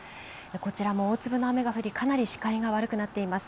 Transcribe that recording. こちらも大粒の雨が降りかなり視界が悪くなっています。